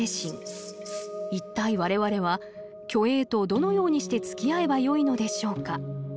一体我々は虚栄とどのようにしてつきあえばよいのでしょうか。